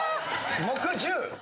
木１０。